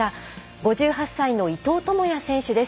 ５８歳の伊藤智也選手です。